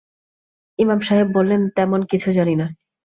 ইমাম সাহেব বললেন, তেমন কিছু জানি না।